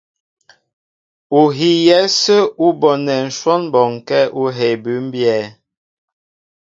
Ú hiyɛ ásə̄ ú bonɛ́ ǹshwɔ́n bɔnkɛ́ ú hēē bʉ́mbyɛ́.